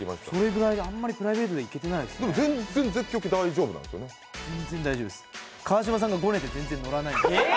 それぐらいで、あまりプライベートでは行けてないですね。